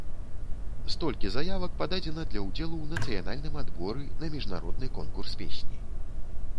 Столькі заявак пададзена для ўдзелу ў нацыянальным адборы на міжнародны конкурс песні.